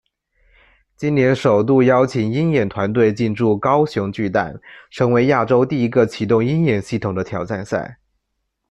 今年首度邀请鹰眼团队进驻高雄巨蛋，成为亚洲第一个启用鹰眼系统的挑战赛。